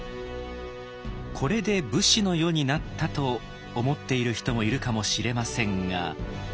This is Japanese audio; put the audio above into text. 「これで武士の世になった」と思っている人もいるかもしれませんが。